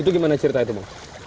itu gimana cerita itu bang